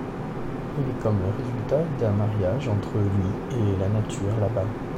Il est comme le résultat d’un mariage entre lui et la nature là-bas.